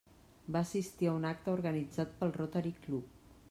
Va assistir a un acte organitzat pel Rotary Club.